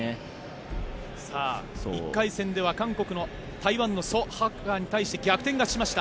１回戦では台湾のソ・ハクアに対して逆転勝ちしました。